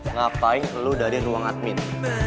ngapain lu dari ruang admin